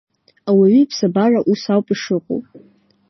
Ауаҩы иԥсабара ус ауп ишыҟоу.